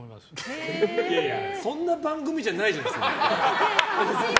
そんな番組じゃないじゃないですか。